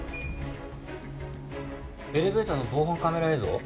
エレベーターの防犯カメラ映像？